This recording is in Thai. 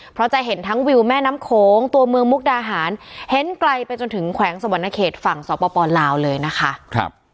เพราะจะเห็นทั้งวิวแม่น้ำโขงตัวเมืองมุกดาหารเห็นไกลไปจนถึงแขวงสวรรณเขตฝั่งสปลาวเลยนะคะ